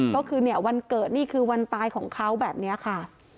ก็คือเนี่ยวันเกิดนี่คือวันตายของเขาแบบนี้ค่ะ